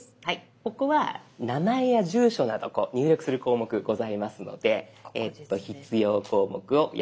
ここは名前や住所など入力する項目ございますので必要項目をやはり埋めて頂きます。